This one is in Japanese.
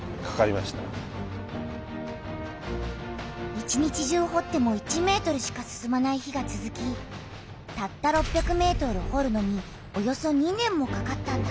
一日中ほっても１ｍしか進まない日がつづきたった６００ｍほるのにおよそ２年もかかったんだ。